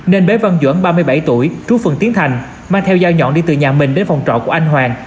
nên bế văn duẩn ba mươi bảy tuổi trú phường tiến thành mang theo dao nhọn đi từ nhà mình đến phòng trọ của anh hoàng